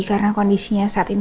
karena kondisinya saat ini